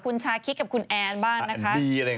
ถึงแบงค์เขามีคน